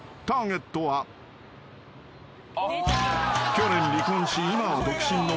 ［去年離婚し今は独身の］